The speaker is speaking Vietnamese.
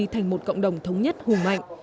thành một cộng đồng thống nhất hù mạnh